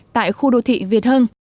tại khu đô thị việt hưng